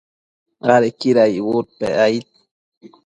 adequida icbudpec aid